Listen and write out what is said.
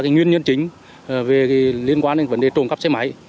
nguyên nhân chính liên quan đến vấn đề trộm cắp xe máy